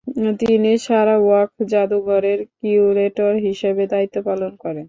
তিনি সারাওয়াক জাদুঘরের কিউরেটর হিসেবে দায়িত্ব পালন করেন।